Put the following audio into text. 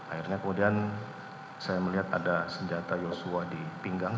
akhirnya kemudian saya melihat ada senjata yosua di pinggang